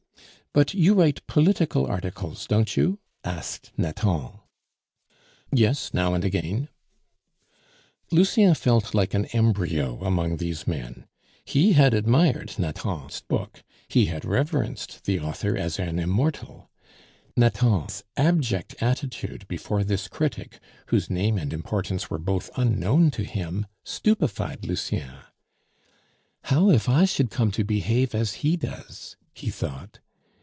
"But you write political articles, don't you?" asked Nathan. "Yes; now and again." Lucien felt like an embryo among these men; he had admired Nathan's book, he had reverenced the author as an immortal; Nathan's abject attitude before this critic, whose name and importance were both unknown to him, stupefied Lucien. "How if I should come to behave as he does?" he thought.